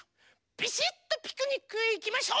ビシッとピクニックへいきましょう！